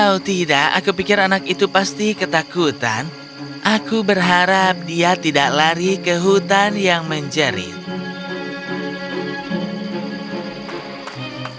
oh tidak aku pikir anak itu pasti ketakutan aku berharap dia tidak lari ke hutan yang menjerit